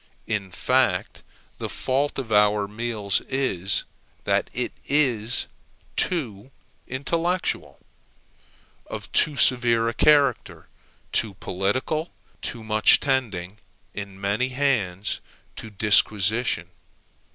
In fact, the fault of our meal is that it is too intellectual; of too severe a character; too political; too much tending, in many hands, to disquisition.